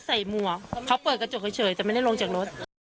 หมวกเขาเปิดกระจกเฉยแต่ไม่ได้ลงจากรถ